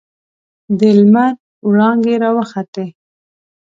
د لمر وړانګې راوخوتې.